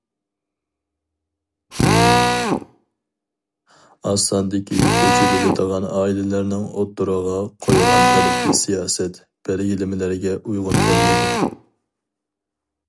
ئاز ساندىكى كۆچۈرۈلىدىغان ئائىلىلەرنىڭ ئوتتۇرىغا قويغان تەلىپى سىياسەت، بەلگىلىمىلەرگە ئۇيغۇن كەلمەيدۇ.